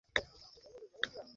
এটা নিশ্চয়ই তাদের কাজ।